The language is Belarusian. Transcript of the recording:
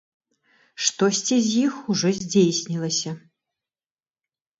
Штосьці з іх ужо здзейснілася.